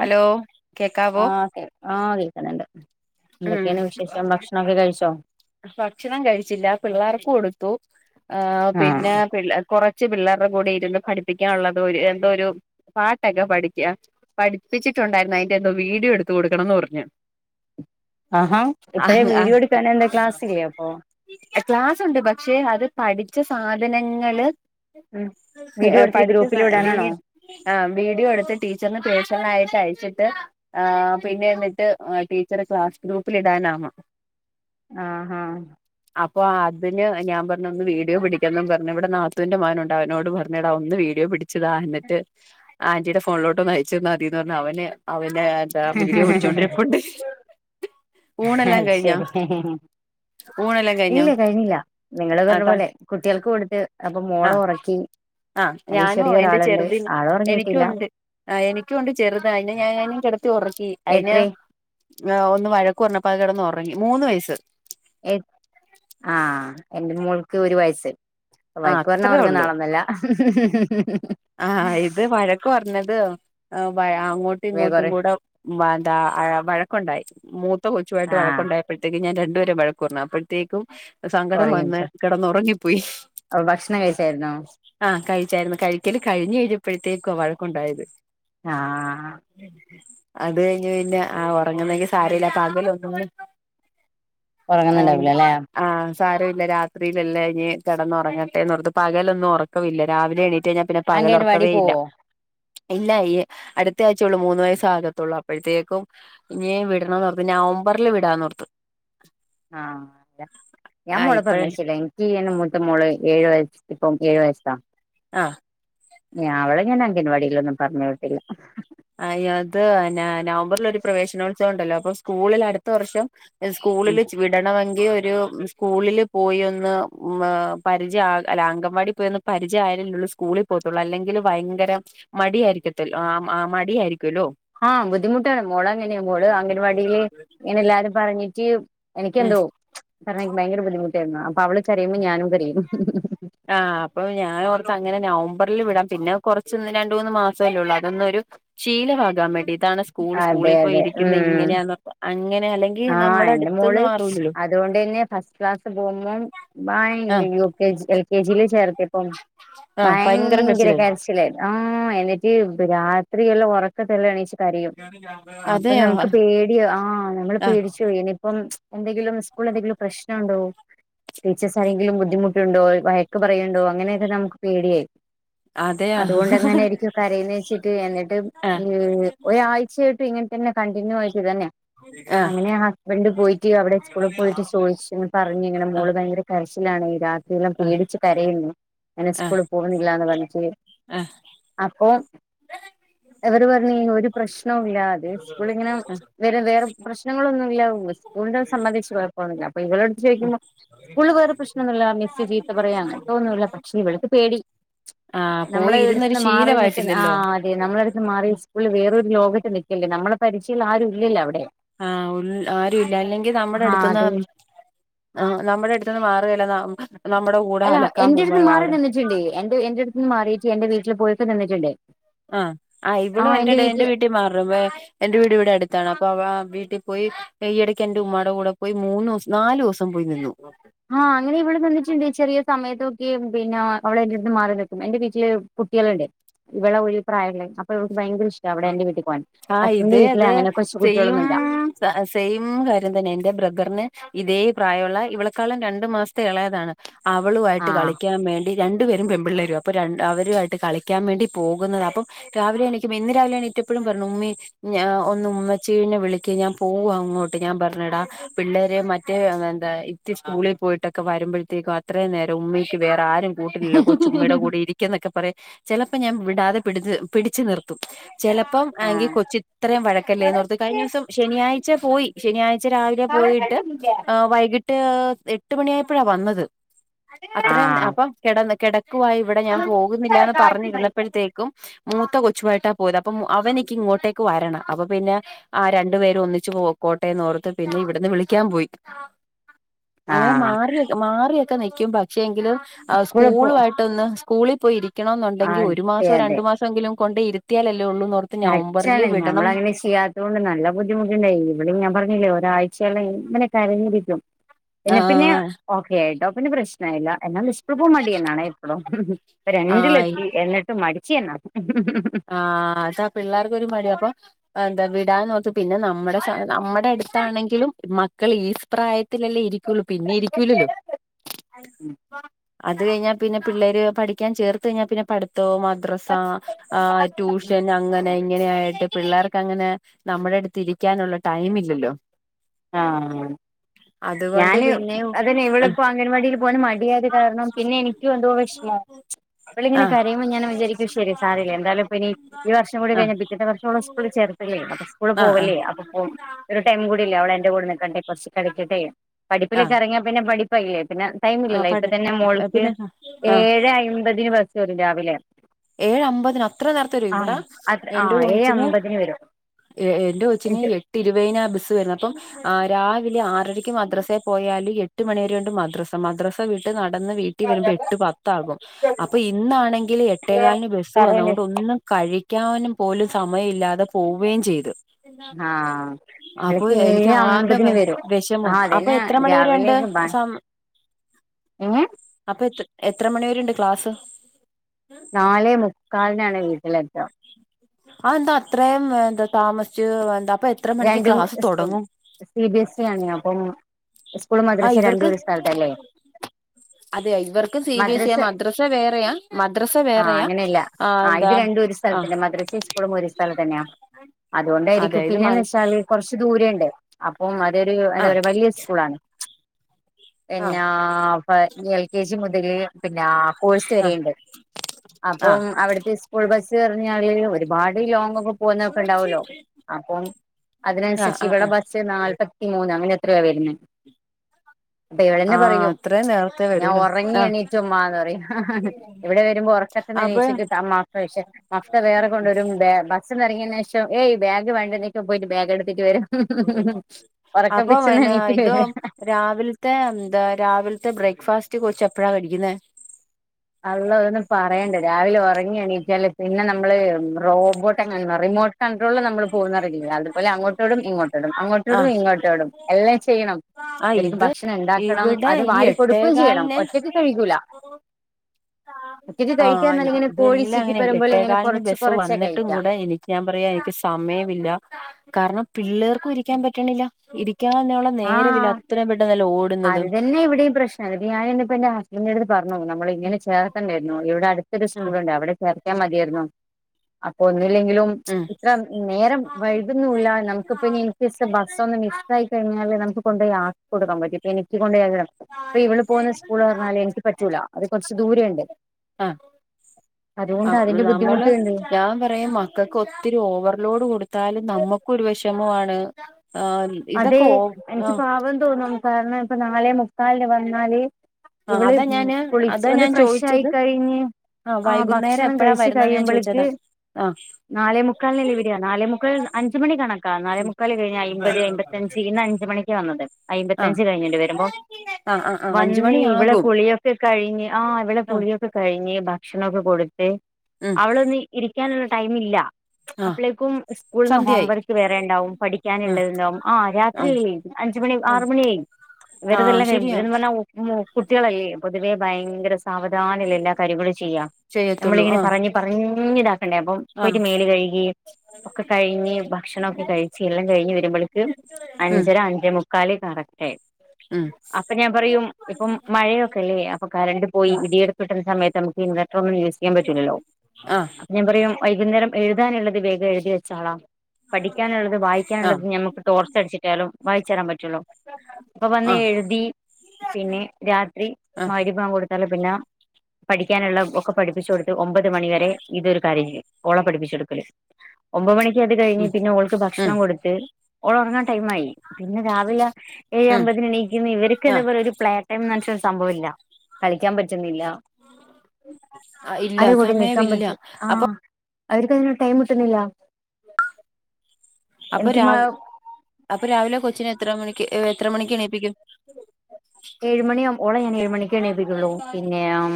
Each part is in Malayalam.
ഹലോ കേക്കാവോ ആഹ കേൾക്കുന്നുണ്ട് ഉം എന്തൊക്കെയാണ് വിശേഷം ഭക്ഷണൊക്കെ കഴിച്ചോ ഭക്ഷണം കഴിച്ചില്ല പിള്ളാർക്ക് കൊടുത്തു ആ പിന്നെ ആഹ് പി കൊറ കുച്ച പിള്ളേരുടെ കൂടെ ഇരുന്ന് പഠിപ്പിക്കാനുള്ളത് ഒരു എന്തോ ഒരു പാട്ടൊക്കെ പഠിക്ക പഠിപ്പിച്ചിട്ടുണ്ടായിരുന്നു അതിന്റെറെന്തോ വീഡിയോ എടുത്ത കൊടുക്കണണോന്ന് പറഞ്ഞു ആഹാ ഇപ്പഴേ ആഹ് വീഡിയോ എടുക്കാനെ എന്താ ക്ലാസ്സിലേ അപ്പൊ ക്ലാസ് ഉണ്ട് പക്ഷെ അത് പഠിച്ച സാധനങ്ങള് ഉം വീഡിയോ എടുത്തിട്ട് പഠിക്ക സ ഗ്രൂപ്പിൽ വീ വിടാനാണോ ആ വീഡിയോ എടുത്ത് ടീച്ചറിന് പേഴ്സണലായിട്ട് അയച്ചിട്ട് ആഹ്‌ പിന്നെ എന്നിട്ട് ആഹ്‌ ടീച്ചറെ ക്ലാസ് ഗ്രൂപ്പിൽ ഇടാനാന്നേ ആഹ്‌ ആഹ്‌ അപ്പൊ അതിന് ഞാൻ പറഞ്ഞ ഒന്ന് വീഡിയോ പിടിക്കും പറഞ്ഞു ഇവിടെ നാത്തൂവിന്റെ മകനുണ്ട് അവനോട് പറഞ്ഞു യടാ ഒന്നു വീഡിയോ പിടു ടിച്ചുത എന്നിട്ട് ആന്റിയുടെ ഫോണിലോട്ട് നയിച്ചിന്ന് മതിന്ന് പറഞ്ഞാൽ അവന് അവന്റെ അതാ വീഡിയോ പിടിച്ചോണ്ടി ഇരിപ്പുണ്ട് അഹ്‌ ശരി ഊണെല്ലാം കഴിഞ്ഞോ ഇല്ല കഴിഞ്ഞില്ല നിങ്ങള് പറഞ്ഞ അതാ പോലെ കുട്ടികൾക്ക് കൊടുത്ത് അപ്പൊ മോള ഉറക്കി ആഹ്‌ അനി ഞാനോ എന്റെ ചെറിയൊരാളുണ്ട് ചെറുതിന് ആള് എനിക്കും ഉറങ്ങിയിട്ടില്ല ഉണ്ട് ആഹ്‌ എനിക്കും കൊണ്ട് ചെറുത് അയിനെ ഞാൻ കിടത്തി ഉറക്കി അയിനെ എത്രേ ഒന്ന് വഴക്കു പറഞ്ഞപ്പ അതു കിടന്ന് ഉറങ്ങി മൂന്ന് വയസ് എഹ് ആഹ്‌ എന്റെ മോൾക്ക് ഒരു വയസ്സ് ആഹ് വയക്കു പറഞ്ഞാ അത്രേ ഉറങ്ങുന്ന ആളോന്നുല്ല ആ ഇത് വഴക്ക് പറഞ്ഞത് ഏഹ് വായാ അങ്ങോട്ടും വേഗം ഇങ്ങോട്ടും ഒറ കൂടെ വണ്ട ആയ വഴക്കുണ്ടായി മൂത്ത കൊച്ചുവയിട്ട് ആഹ് വഴക്കുണ്ടായപ്പോഴത്തേക്ക് ഞാൻ രണ്ടുപേരെ വഴ കൊറഞ്ഞപ്പത്തേക്കും സങ്കടം ഒറങ്ങി വന്ന് കിടന്നുറങ്ങിപ്പോയി അപ്പൊ ഭക്ഷണം കഴിച്ചായിരുന്നോ ആ കഴിച്ചാരുന്നു കഴിക്കല് കഴിഞ്ഞഞ് കഴിയഞ്ഞപ്പോഴത്തേക്കോ വഴക്കുണ്ടായത് ആഹ് അത് കഴിഞ്ഞ് പിന്നെ ആ ഉറങ്ങുന്നെങ്കി സാരില്ല പകൽ ഒന്നും ആം ഉറങ്ങുന്നുണ്ടാവില്ല അല്ലെ ആ സാരഇല്ല രാത്രിലലെ ഇനി കിടന്ന് ഉറങ്ങട്ടെ എന്ന് ഓർത്തു പകലൊന്നും ഒറക്കവില്ല രാവിലെ എണീറ്റ് കഴിഞ്ഞ പിന്നെ അംഗൻവാടി പകലൊറക്കവേ ഇല്ല. പോവോ ഇല്ല ഈ അടുത്ത ആഴ്ചേയുള്ളൂ മൂന്ന് വയസ് ആകത്തുള്ളൂ അപ്പോഴത്തേക്കും ഇനി വിടണന്ന് ഓർത്ത് നവംബറിൽ വിടാന്ന് ഓർത്ത് ആഹ് ഞാൻ ആ മോളെ ഇപ്പഴ പറഞ്ഞയിച്ചല്ലേ ഈ എന്റെ മൂത്ത മോളെ ഏഴു വയസ് ഇപ്പം ഏഴ് വയസാ ആഹ് ഞാഅവളെ ഞാൻ അംഗൻവാടിയിലൊന്നും പറഞ് വിട്ടില്ല. അയ്യോ ആത് അന നവംബറിലൊരു പ്രവേശനോത്സവം ഉണ്ടല്ലോ അപ്പൊ സ്കൂളില്അടുത്ത വർഷം ഉം സ്കൂളില് വിടണമെങ്കി ഒരു സ്കൂളില് പോയി ഒന്ന് മാ പരിചയ ആകാൻ അല്ലെ അങ്കവാടി പോയി ഒന്ന് പരിചയംആയാല്ലല്ലേ സ്കൂളിൽ പോത്തുള്ളൂ അല്ലെങ്കില് ഭയങ്കര മടിയാരിക്കതില് ആഹ് മാ മടിയാരിക്കുല്ലോ? ആ ബുദ്ധിമുട്ടാണ് മോള് അങ്ങനെയാ മോള് അംഗവാടിയില് ഇങ്ങനെ എല്ലാരും പറഞ്ഞിട്ട് എനിക്ക് ഏ എന്തോ കാരണം എനിക്ക് ഭയങ്കര ബുദ്ധിമുട്ടായിരുന്നു അപ്പൊ അവള് കരയുമ്പോൾ ഞാനും കരയും. ആ അപ്പൊ ഞാൻ ഓർത്ത് അങ്ങനെ നവംബറിൽ വിടാം പിന്നെ കൊറച്ച് രണ്ടു മൂന്ന് മാസമല്ലേ ഉള്ളൂ അതൊന്നൊരു ശീലമാകാൻ വേണ്ടി ഇതാണ് സ്കൂൾ അതെ സ്കൂളിൽപ്പോയി ഇരിക്കുന്ന ഇങ്ങനെയാന്ന് അങ്ങനെ അല്ലെങ്കി ആ എന്റെ മോള് അതുകൊണ്ട് തന്നെ ഫസ്റ്റ് ക്ലാസിൽ പോകുമ്പം ഭയ് ആഹ് ഇയ്യോ കെജി എൽ. കെ. ജി. യിൽ ചേർത്തപ്പം ആഹ് ഭയങ്കര കരച്ചിലായിരുന്നു കരച്ചി ച്ചില്ലേ ആഹ് എന്നിട്ട് രാത്രിയില് ഉറക്കതല്ലേ എണിച്ച് കരയും അപ്പൊ അതെയോ നമുക്ക് പേടിയാ ആഹ് നമ്മള് ആഹ് പേടിച്ചു പോയി പിന്നിപ്പം എന്തെങ്കിലും ഈസ്കൂളിൽ എന്തെങ്കിലും പ്രശ്നം ഉണ്ടോ? ടീച്ചേഴ്സ്ആരെങ്കിലും ബദ്ധിമുട്ടുണ്ടോ? വഴക്ക് പറയുണ്ടോ? അങ്ങനെയൊക്കെ നമുക്ക് പേടിയായി അതെയോ അതുകൊണ്ട് എങ്ങനരിക്കും കരയുന്നേന്ന് വെച്ചിട്ട് എന്നി ട്ടും ആഹ് ഉം ഒരാഴ്ചയായിട്ടും ഇങ്ങനെ തന്നെ കണ്ടിന്യൂ ആയിട്ട് ഇതുതന്യ ആഹ് ആഹ് അങ്ങനെ ഹസ്ബൻഡ് പോയിട്ട് അവിടെ ഈസ്കൂളിൽ പോയിട്ട് ചോദിച്ചു പറഞ് ഇങ്ങനെ മോള് ഭയങ്കര കരച്ചിലാണ് ഈ രാത്രിയെല്ലാം ആഹ് പേടിച്ച് കരയുന്നു അങ്ങനെ ആഹ് ഈസ്കൂളില് പോകുന്നില്ലാന്ന് പറഞ്ഞിട്ട് ആഹ് അപ്പോം അവര് പറഞ്ഞ് ഒരു പ്രശ്നവും ഇല്ല അത് ഈസ്കൂളിങ്ങനെ വെരു വേറെ പ്രശ്നങ്ങളൊന്നുമില്ല ഉ ഈസ്കൂളിനെ സംബന്ധിച്ച് കുഴപ്പോന്നുല്ല അപ്പംഇവൾ എടുത്ത്ചോദിക്കുമ്പോ സ്കൂള് വേറെ പ്രശ്നമൊന്നുല്ല മിസ് ചീത്ത പറയാ അങ്ങനത്തെഒന്നുല്ല പക്ഷേ ഇവൾക്ക് പേടി ആഹ് പോയി നമ്മള് ഇരുന്നൊരു എടത്ത്ന്ന് മാറി നിക്കുന്ന ആ ശീലമായിട്ടില്ലല്ലോ തേ നമ്മടെ അടുത്ത് മാറി ഈസ്കൂളിൽ വേറൊരു ലോകത്ത് നിക്കുവല്ലേ നമ്മുളെപരിചയം ഉള്ള ആരും ഇല്ലല്ലോഅവിടെ. ആ ഉൾ ആരും ഇല്ല അല്ലെങ്കി നമ്മുടെ അടുത്തൂന്ന് അതെ ആ നമ്മുടെ എടുത്തുന്ന് മാറുകയുഇല്ല നമ്മുടെ കൂടെ അലക്കാൻ പോമ്പോ അവിടെ റ്റിണ്ടെ എന്റെ എന്റെ അടുത്തൂന്ന്മാറിട്ട് എന്റെ വീട്ടില് പോയിട്ട് നിന്നിട്ടുണ്ട്. ആഹ് ആ ഇവളും എന്റെ ടെ എന്റെവീട്ടിൽ മാറു വെ എന്റെ വീട് ഇവിടെ അടുത്താണ് അപ്പൊ അവ വീട്ടിൽ പോയി ഈയിടയ്ക്ക് എന്റെ ഉമ്മാടെ കൂടെ പോയി മൂന്നുസം നാലുസം പോയി നിന്നു. ആ അങ്ങനെ ഇവൾ നിന്നിട്ടുണ്ട് ചെറിയ സമയത്തൊക്കെ പിന്നെ അവള്എന്റെ അടുത്തൂന്ന്മാറി നിൽക്കും എന്റെ വീട്ടില് കുട്ടികളുണ്ട് ഇവളുടെ ഒഴി പ്രായമല്ലേ അപ്പൊ ഇവക്ക് ഭയങ്കര ഇഷ് അവിടെ എന്റെ വീട്ടിൽ പോവാൻ ആഹ് ഹസ്ബന്റിന്റെ ഇതേ വീട്ടില് അത് അങ്ങനെ കൊച്ചു സെയിം കുട്ടികളൊന്നും ഇല്ല. സെയിം കാര്യം തന്നെ ഇ ന്റെ ബ്രദർന് ഇതേ പ്രായൊള്ള ഇവളെക്കാളും രണ്ടു മാസ്ത്തെ എളേതാണ് അവളുവായിട്ട് ആഹ് കളിക്കാൻ വേ രണ്ടുപേരും പെമ്പിള്ളേരുവാ അപ്പൊ ര അവരു ആയിട്ട് കളിക്കാൻ വേണ്ടി പോകുന്നാ അപ്പം രാവിലെ എണ്ണീക്കുമ്പോ എന്നെ രാവ്ലെ എണീറ്റപ്പളും പർഞ്ഞു ഉമ്മി ഞാ ഒന്ന് ഉമ്മച്ചീനെ വിളിക്ക് ഞാൻ പോവാ അങ്ങോട്ട് ഞാൻ പർഞ്ഞെടാ പിള്ളേര് മറ്റേ എന്താ ഇത്തി സ്കൂളി പോയ്ട്ടൊക്കെ വരുമ്പോഴ്ത്തേക്കും അത്രേ നേരം ഉമ്മിക്ക് വേറെ ആരും കൂട്ടിൻല്ലോ കൊച്ച് ഉമ്മീടെ കൂടെ ഇരിക്കിന്നൊക്കെ പറെം ചെലപ്പ ഞാൻ വിടാതെ പിടി പിടിച്ച് നിർത്തും ചെലെപ്പം ആണെങ്കി ആഹ് കൊച്ച് ഇത്രെം വഴക്കല്ലേന്ന് ഓർത്ത് കഴിഞ്ഞോസം ശനിയാഴ്ച പോയി. ശനിയാഴ്ച രാവിലേ പോയിട്ട് ആഹ് ഏഹ് വൈകിട്ട് ഏഹ് എട്ട് മണി ആയ്പ്പഴാ വന്നത് അത്രെം അപ്പം കെടന്ന് കെടക്കുവാ ഇവിടെ ഞാൻ പോകുന്നില്ലാന്ന് പറഞ്ഞ് ഇരുന്നപ്പഴ്ത്തേക്കും മൂത്ത കൊച്ചുവായിട്ടാ പോയ്ത് അപ്പം അവനിക്ക് ഇങ്ങോട്ടേക്ക് വരണം അപ്പൊപിന്നെ ആഹ് രണ്ടു പേരും ഒന്നിച്ച് പോക്കോട്ടേന്ന് ഓർത്ത് പിന്നെ ഇവിടുന്ന് വിളിക്കാൻ പോയി അങ്ങനെ ആഹ് മാറിയൊ മാറിയൊക്കെ നിക്കും പക്ഷേ എങ്കിലും ആഹ് കൂടെ പോ സ്കൂളുവായി ട്ട്ന്ന് സ്കൂളി പോയി ഇരിക്കണോന്നൊണ്ടെങ്കി ഒരു അതെ മാസോ അതെ രണ്ടു മാസെങ്കിലും കൊണ്ടൊയി ഇരുത്തിയാലല്ലേ ഒള്ളൂ ന്നോർ കറക്റ്റാണ് ഞമ്മളങ്ങനെ ചെയ്യാ തുകൊണ്ട് നല്ല ബുദ്ധിമുട്ടിണ്ടായി ഇവിടേം ഞാൻ പർഞ്ഞില്ലേ ഒരാഴ്ചെയല്ലാം ഇങ്ങനെ കരഞ്ഞിരിക്കും പിന്നെ പിന്നെ ആഹ് ഓക്ക്യായിട്ടോ പിന്നെ പ്രശ് നവില്ല എന്നാലും സ്കൂൾ പോവാൻ മടിയനാണെ ഇപ്പളും ആയി രണ്ടിലെത്തി എന്നി ട്ടും മടിച്ചിയെന്നെ ആഹ് അതാ പിള്ളേർക്കൊരു മടി അപ്പൊ അ ന്താ വിടാന്നോർത്ത് പിന്നെ നമ്മടെ സ.. നമ്മുടെ അടുത്താണെങ്കിലും മക്കൾ ഈ പ്രായ ത്തിലല്ലേ ഇരിക്കുള്ളു പിന്നെ ഇരിക്കൂലല്ലോ അത് കഴിഞ്ഞാ പിന്നെ പിള്ളേര് പഠിക്കാൻ ചേർത്ത് കഴിഞ്ഞാ പിന്നെ പഠിത്തോം മദ്രസാ ആഹാ ടൂഷൻ അങ്ങ നെ ഇങ്ങനെയായിട്ട് പിള്ളേർക്ക് അങ്ങനെ നമ്മടെ അട്ത്തിര്ക്കാനുള്ള ടൈം ഇല്ലല്ലോ ആഹ് അത് കൊണ്ട് ഞാന് പിന്നെ അതന്നെ ഇവളിപ്പോ അംഗൻവാടീൽ പോവാന് മടിയായ്ത് കാര്ണം പിന്നെ എനിക്ക് എന്തോ വെശ്മാ ഇവിളിങ്ങനെ ആഹ് കരയ്മ്പൊ ഞാൻ ഇങ്ങനെ വിചാരിക്കും ശരി സാരല്യ എന്താലും ഇപ്പ ഇനി ഈ വർഷം കൂടി ആഹ് കഴിഞ്ഞ പിറ്റെത്തെ വർഷവളെ സ്കൂളി ചേർത്തല്ലേ അപ്പൊ സ്കൂള് ആഹ് ആഹ് പോവല്യേ അപ്പൊപോ ഒരു ടൈം കൂട്യല്ലേ അവളെന്റെ കൂടെ നിക്കട്ടെ കൊർച്ച് കളിക്കട്ടെ ആഹ് പഠിപ്പിലൊക്കെ എറങ്ങ്യാ പിന്നെ പഠിപ്പായ്ല്ലേ പിന്നെ ടൈം ആ ഇില്ലല്ലോ ഇപ്പ പണി തന്നെ മോൾക്ക് പിന്നെ ആ ഏഴ് അയ്മ്പതിന് ബസ്സ് വരും രാവിലെ ഏഴെ അമ്പതിന അത്രെ നേര്ത്തെ വെര്വോ ആ ഇവിടെ അത്ര ആ എന്റെ ഏഴ് കൊച്ചിന് അമ്പതിന് വരും എ എന്റെ കൊച്ചിന് എട്ട് ഇരുവെയ്നാ ബസ്സ് വര്നെ അപ്പം ആഹ് രാവിലെ ആറരയ്ക്ക് മദ്രസേ പോയാല് എട്ട്മണിവരേണ്ട് മദ്രസ മദ്രസവിട്ട് നടന്ന് വീ ട്ടിവരുമ്പോ എട്ട് പത്താകും അപ്പൊ ഇന്നാണെങ്കില് എട്ടേകാലിന് ബസ്സ് വന്ന് പറയണ്ട് അതോണ്ട് ഒന്നും കഴി ക്യാനും പോലും സമയല്ലാതെ പോവേം ചെയ്ത് ആ അപ്പൊ ഇവിടേക്ക് എനിക്ക് ഏഴ് ആകെ വെ അമ്പതിന് വരും വെഷമം ആ അപ്പൊ അതന്നെ എത്ര മണിവരെ ഒണ്ട് ഹം എങ്ങെ അപ്പെത്ര എത്ര മണിവരെണ്ട് ക്ലാസ് നാലെ മുക്കാൽനാണ് വീട്ടിലെത്ത ആന്താ അത്രേം ഏ എന്താ താമസിച്ച് എന്താ അപ്പ എത്ര മണിക്ക് രണ്ടും ക്ലാസ് തൊടങ്ങും സി ബി എസ് ഇ ആണെയ് അപ്പം സ്കൂളും ആ മദ്രസ്സിം രണ്ടും ഒരു സ്ഥൽത്തല്ലേ അതെ ഇവർക്കും സി ബി എസ് ഇയാ മദ്രസെ വേറെയ മദ്രസ വേറെയാ ആ ആഹ ഇത് എന്താ രണ്ടും ഒരു ആ സ്ഥൽതന്നെ മദ്രസിം സ്‌കൂളും ഒരേ സ്ഥൽതന്ന്യാ അതെ അതുകൊണ്ടായിരിക്കും ഇത് മ പിന്നേന്ന് വെച്ചാല് കൊറച്ച് ദൂരണ്ട് അപ്പം അതൊരു എന്താ ആ പറയാ വലിയ സ്കൂൾ ആണ് ആ പിന്നാ പ എൽ കെ ജി മുതല് പിന്നാ കോഴ്സ് ആ വെരേണ്ട് ആ അപ്പം അവിടെത്തെ സ്കൂൾ ബസ്സ് നർഞാല് ഒര് പാട് ഈ ലോങ്ങൊക്കെ പോന്നൊക്കെ ഇണ്ടാവോലോ അപ്പം ആ അതിനൻസരിച്ച് ആ ആ ഇവിടെ ബ റ്റ്‌ നാൽപത്തിമൂന്ന് അങ്ങനെ എത്രയോ ആ വരുന്നെ. പ്പൊ ഇവളന്നെ ആ പറയും അത്രയും നേരത്തെ ഞാൻ വരൂല്ലേ ഒറങ്ങി ആ എണീറ്റുമ്മാന്നറയും ഇവിടെ വരുമ്പോ ഒറക്ക അപ്പൊ [unintelligible] മഫ്ത വേറെ കൊണ്ടരും ബേ [unintelligible] ബസ്സി‌ന്ന് എറങ്ങിയ ശേഷം ഏയ് ബേഗ് വേണ്ടേന്ന് ചോയിക്കുമ്പോ പോയിട്ട് ബേഗ് എടുത്തിട്ട് വെരും. അപ്പൊ ഒറക്കപ്പിച്ചിന്ന് പിന്നെ എണീറ്റ് ഇത് വര്യാ. രാവിലത്തെ എന്താ രാവിലത്തെ ബ്രേക്ക്ഫാസ്റ്റ് കൊച്ച് എപ്പഴാ കഴിക്കുന്നെ? അള്ളോ അതൊന്നും പറയണ്ട രാവിലെ ഉറങ്ങി എണീറ്റാല് പിന്നെ നമ്മള് റോബോ [unintelligible] കൺട്രോളിൽ നമ്മള് പോകുന്ന അറിയില്ലേ അതുപോലെ അങ്ങോട്ടോടും ഇങ്ങോട്ടോടും ആ അങ്ങോട്ടോടും ഇങ്ങോട്ടോടും എല്ലാം ചെയ്യണം. ആ ഇവരിക്കു ഇത് ഭക്ഷണം ഇണ്ടാക്കണം ഇവിടെ അത് ഈ വാരി കൊടുക്കയും ചെയ്യണം എട്ടേകാലിന് ഒറ്റക്ക് കഴിക്കൂല. ഒറ്റയ്ക്ക് ആഹ് കഴിക്കാന്നല്ല ഇത് ഇങ്ങനെ കോഴി ഇതെല്ലാം ചിക്കി ഇങ്ങനെയാ വരുമ്പോൾ ഇങ്ങനെ എട്ടേകാലിന് കുറച്ച് ബസ്സു കുറച്ചേ വന്നിട്ടും കഴിക്ക കൂടെ എണീ ഞാൻ പറയാ എനിക്ക് സമയമില്ല കാരണം പിള്ളേർക്കും ഇരിക്കാൻ പറ്റണില്ല ഇരിക്കാ [unintelligible] നേരവില്ല അത്രയും പെട്ടെന്നല്ലേ ഓടുന്നത്. ഇവടേയും പ്രശ് അതി ഞാനിന്നിപ്പോ എന്റെ ഹസ്ബൻ്റിൻ്റെ അടുത്ത് പറഞ്ഞു ഉം നമ്മളിങ്ങനെ ചേർത്തണ്ടാരുന്നു ഇവിടെ അടുത്തൊരു ഉം സ്കൂളിണ്ടാരുന്നു അവടെ ചേർ ത്തിയാ മതിയാരുന്നു. അപ്പോ ഒന്നൂല്ലെങ്കിലും ഉം ഇത്ര നേരം വൈകുന്നുല്ലാ നമുക്കിപ്പോ ഇനി ഇൻ കേസ് ബ സ്സൊന്നും മിസ് ആയി കഴിഞ്ഞാല് നമുക്ക് കൊണ്ടോയി ആക്കികൊടുക്കാൻ പറ്റും ഇപ്പ എനിക്ക് കൊണ്ടോയി [unintelligible] ഇപ്പോ ഇവള് പോന്ന സ്കൂള് പറഞ്ഞാല് എനിക്ക് പറ്റൂലാ അത് കുറച്ച് ദൂരെ ഉണ്ട്. ആഹ് അതിന്റെ നമ്മള് ബുദ്ധിമുട്ടുണ്ട് ഞാൻ പറയും മ ക്കക്കൊത്തിരി ഓവർലോഡ് കൊടുത്താലും നമ്മുക്കൊരു വെഷമവാണ് ആഹ് അതേ ഇതൊക്കെ ഓ എനിക്ക് ആഹ് പാവം തോന്നും കാരണം ഇപ്പ നാലേമുക്കാലിന് വന്നാല് ആഹ് ഇവള് അതാ ഞാന് കുളിച്ച് അതാ ഒന്ന് ഞാൻ ഫ്രഷായി ചോദിച്ചത് കഴിഞ്ഞ് ആഹ് വൈകുന്നേരം ഭക്ഷണം എപ്പഴാ കഴിച്ച് വരുന്നേന്ന് ഞാൻ കഴിയുമ്പോളേക്ക് ചോദിച്ചതാ ആഹ് നാലേ മുക്കാലിനല്ലേ വരാ നാലേ മുക്കാൽ അഞ്ചുമണി കണക്കാ നാലേ മുക്കാൽ കഴിഞ്ഞ അയിമ്പത് അയിമ്പത്തഞ്ച് ഇന്ന് അഞ്ച് മണിക്കാ വന്നത് ആഹ് അയ്മ്പത്തഞ്ച് കഴിഞ്ഞല്ലേ വരുമ്പോം ആഹ് ആഹ് ആഹ് അഞ്ച് വന്നീ ഇവളെ മണിയാകും കുളിയൊക്കെ കഴിഞ്ഞ് ആഹ് ഇവളെ ആഹ് കുളിയൊ ക്കെ കഴിഞ്ഞ് ഭക്ഷണൊക്കെ കൊടുത്ത് ഉം അവളൊന്ന് ഇരിക്കാനുള്ള ടൈമില്ല. ആഹ് അപ്പളേക്കും സ്കൂളീന്ന് ഹോം സന്ധ്യയായി വർക്ക് വേറെ ഇണ്ടാവും ആ പഠിക്കാനിള്ളതിണ്ടാവും ആഹ് ആ രാത്രീ അഞ്ചു മണി ആ ആറു മണിയായി ആ ഇവരെതെല്ലാം ശരിയാ [unintelligible] ഉം കുട്ടികളല്ലേ പൊതുവെ ഭയങ്കര സാവധാനല്ലേ എല്ലാ കര്യങ്ങളും ചെയ്യാ ചെയ്യത്തുള്ളൂ നമ്മളിങ്ങനെ ആ പറഞ്ഞ് പറഞ്ഞിതാ- ക്കണ്ടേ അപ്പം ആ പോയിട്ട് മേല് കഴുകി ഒക്കെ കഴിഞ്ഞ് ഭക്ഷണൊക്കെ കഴിച്ച് എല്ലാം കഴിഞ്ഞ് വരുമ്പോളേക്കും ഉം അഞ്ചര അഞ്ചേ മുക്കാല് കറക്റ്റായി. അപ്പോ ഞാൻ പറയും ഇപ്പം മഴയൊക്കെല്ലേ അപ്പോ കറണ്ട് പോയി ഉം ഇടിയെടുത്ത് കിട്ടുന്ന സമയത്ത് ഇൻവെട്ടാറൊന്നും യൂസ് ചെയ്യാൻ പറ്റൂല്ലല്ലോ? ആ ഞാൻ പറയും വൈകുന്നേരം എഴുതാനുള്ളത് വേഗം എഴുതി വെച്ചാളാ പഠിക്കാനുള്ളത് ആ വായിക്കാനുള്ളത് ഞമ്മ ടോർച്ചടിച്ചിട്ടാലും വായിച്ചരാൻ പറ്റുല്ലോ. ഇപ്പോ വന്ന് ആ എഴുതീ പിന്നേ രാത്രി ആ മാരിബാങ്ക് കൊടുത്താല് പിന്നാ പഠിക്കാനുള്ളെ ഒക്കെ പഠിപ്പിച്ചു കൊടുത്ത് ഒമ്പത് മണിവരെ ഇതൊരു കാര്യം [unintelligible] ഓളെ പഠപ്പിച്ചെടുക്കല് ഒമ്പത് മണിക്ക് അത് കഴിഞ്ഞ് ഉം പിന്നെ ഓൾക്ക് ഉം ഭക്ഷണം കൊടുത്ത് ഓളൊറങ്ങാ- ൻ ടൈമായി പിന്നെ രാവിലെ ഏഴേ ഉം അമ്പതിനെണീക്കുന്നു ഇവർക്ക് എന്താ പറയാ ഒരു പ്ലേ ടൈം ന്നു പറഞ്ഞിട്ടുള്ളൊരു സംഭവവില്ല കളിക്കാൻ പറ്റുന്നില്ലാ ആ ഇല്ല ആരെ കൂടെ നിക്കാൻ സമയമില്ല പറ്റും അപ്പൊ ആഹ് അവരിക്കതിന് ടൈം കിട്ടുന്നില്ല. അപ്പോ എനിക്ക് രാവ് അപ്പോ രാവിലെ കൊച്ചിനെ എത്ര മണിക്ക് എത്ര മണിക്ക് എണീപ്പിക്കും? ഏഴ് മണിയാവും ഓളെ ഞാൻ ഏഴു മണിക്കേ എണീപ്പിക്കുള്ളൂ പിന്നെ ഉം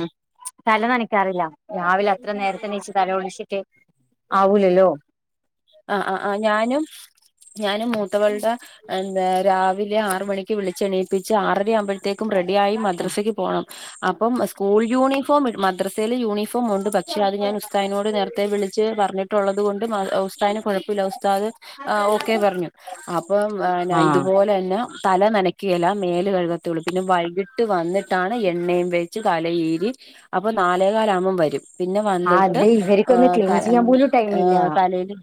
തല നനക്കാറില്ല രാവിലെ അത്ര നേരത്തെണീച്ച് തല കുളിച്ചിട്ട് ആവൂലല്ലോ? അ അ ആ ഞാനും ഞാനും മൂത്തവൾടെ എന്താ രാവിലെ ആറുമണി- ക്ക് വിളിച്ചെണിപ്പിച്ച് ആറരയാവുമ്പോഴത്തേക്കും റെഡിയായി മദ്രസയ്ക്ക് പോണം. അപ്പം സ്കൂൾ യൂണിഫോം ഇടും മദ്രസ- ത്തയിൽ യൂണിഫോം ഉണ്ട് പക്ഷെ അത് ഞാൻ ഉസ്തായിനോട് നേരത്തെ വിളിച്ച് പറഞ്ഞിട്ടുള്ളതുകൊണ്ട് മ തായിന് കൊഴപ്പില്ല ഉസ്താദ് അഹ് ഓക്കെ പറഞ്ഞു അപ്പം എന്നാ ആഹ് ഇതുപോലന്നെ തല നനക്ക് ല മേല് കഴുകത്തുള്ളൂ. പിന്നെ വൈകിട്ട് വന്നിട്ടാണ് എണ്ണയും വേച്ച് തലയിരീ- അപ്പൊ നാലേകാലാകുമ്പം വരും. പിന്നെ വന്നിട്ട് അത് ഇവർക്കൊന്ന് ക്ലീൻ ചെയ്യാൻ ങ് പോലും ടൈമില്ല ങ് തലയില്.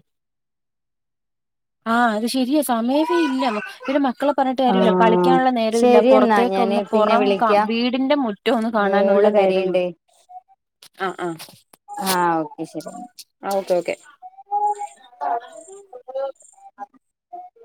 ആഹ് അത് ശരിയാ, സമയവേ ഇല്ല. പിന്നെ മക്കളെ പറഞ്ഞിട്ട് കാര്യമല്ല. ആഹ് കളിക്കാനുള്ള നേരമില്ല. ശരി എന്നാ പുറത്തേക്ക് ഞാന് ഒന്ന് പിന്നെ പുറം വിളിക്കാം വീടിന്റെ മു മറ്റോ ഒന്ന് കാണാനുള്ള നേരമില്ല. എക്സ്. ആഹ് ആ ആഹ് ഓക്കെ ശരി. ആ ഓക്കെ ഓക്കെ. [unintelligible]